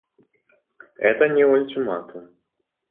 Это не ультиматум.